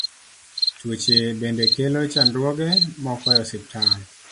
Tuoche bende kelo chandruoge moko e osiptal.